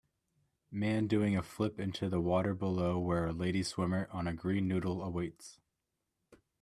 Man doing a flip into the water below where a lady swimmer on a green noodle awaits.